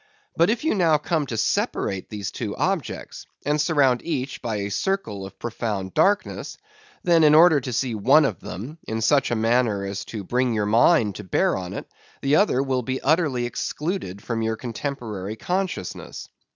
But if you now come to separate these two objects, and surround each by a circle of profound darkness; then, in order to see one of them, in such a manner as to bring your mind to bear on it, the other will be utterly excluded from your contemporary consciousness.